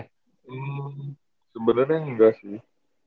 hmm sebenernya enggak sih